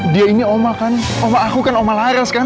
dia ini omah kan omah aku kan omah laras kan